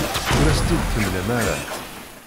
Ur as-tt-id-temlam ara.